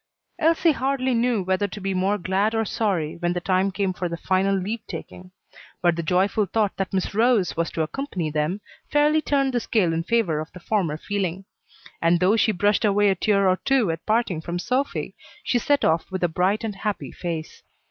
Elsie hardly knew whether to be more glad or sorry when the time came for the final leave taking; but the joyful thought that Miss Rose was to accompany them fairly turned the scale in favor of the former feeling; and though she brushed away a tear or two at parting from Sophy, she set off with a bright and happy face.